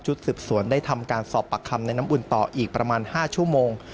สืบสวนได้ทำการสอบปากคำในน้ำอุ่นต่ออีกประมาณ๕ชั่วโมง